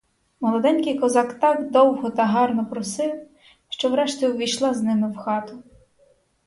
Молоденький козак так довго та гарно просив, що врешті увійшла з ними в хату.